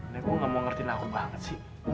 nek kamu ga mau ngerti aku banget sih